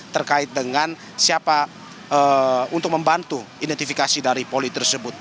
terkait dengan siapa untuk membantu identifikasi dari poli tersebut